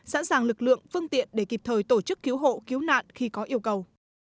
sẵn sàng lực lượng phương tiện để kịp thời tổ chức cứu hộ cứu nạn khi có yêu cầu